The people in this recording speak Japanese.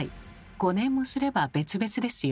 ５年もすれば別々ですよ。